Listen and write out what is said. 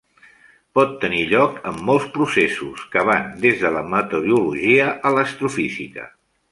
Pot tenir lloc en molts processos, que van des de la meteorologia a l'astrofísica.